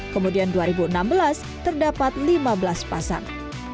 kemudian dua ribu enam belas terdapat lima belas pasang